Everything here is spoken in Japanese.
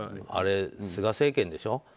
あれ、菅政権でしょ。